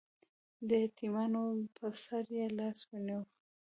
د یتیمانو په سر یې لاس ونیو